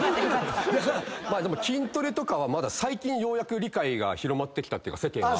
でも筋トレとかはまだ最近ようやく理解が広まってきたっていうか世間が。